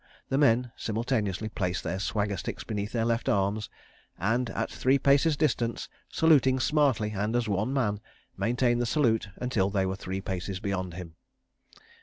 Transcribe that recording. The men simultaneously placed their swagger sticks beneath their left arms, and, at three paces' distance, saluting smartly and as one man, maintained the salute until they were three paces beyond him.